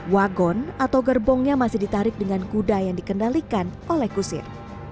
wagon atau gerbongnya masih ditarik dengan kuda yang dikendalikan oleh kusir